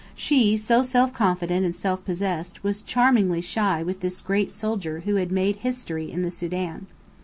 She, so self confident and self possessed, was charmingly shy with this great soldier who had made history in the Sudan.